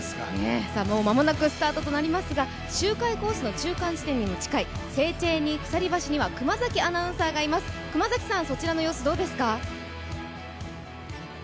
間もなくスタートとなりますが周回コースの中間地点にも近いセーチェーニ鎖橋には熊崎アナウンサーがいます、そちらの様子、どうですか？